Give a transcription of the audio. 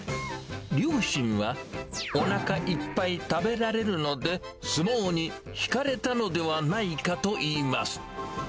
両親は、おなかいっぱい食べられるので、相撲に引かれたのではないかといいます。